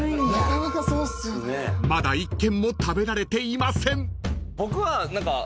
［まだ１軒も食べられていません］